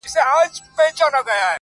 o دا ده کوچي ځوانيمرگې نجلۍ تول دی.